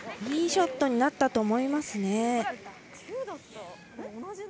いいショットになったと思いますね。